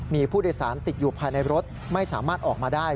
มีผู้โดยสารติดอยู่ภายในรถไม่สามารถออกมาได้